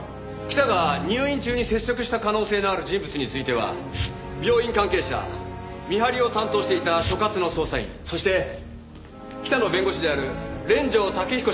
北が入院中に接触した可能性のある人物については病院関係者見張りを担当していた所轄の捜査員そして北の弁護士である連城建彦氏に聴取を行っています。